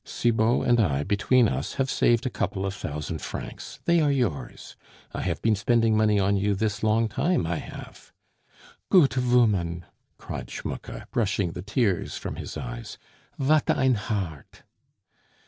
Cibot and I, between us, have saved a couple of thousand francs; they are yours; I have been spending money on you this long time, I have." "Goot voman!" cried Schmucke, brushing the tears from his eyes. "Vat ein heart!"